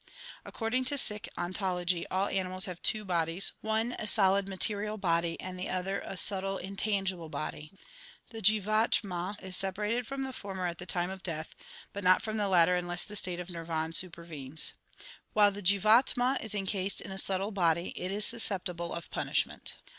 According to Sikh ontology all animals have two bodies, one a solid material body and the other a subtile intangible body. 1 The jivatama is separated from the former at the 1 St. Paul speaks of a spiritual body (i Cor. xv. 44)* INTRODUCTION Ixix time of death, but not from the latter unless the state oi Nirvan supervenes. While the jivatama is encased in a subtile body, it is susceptible of punishment.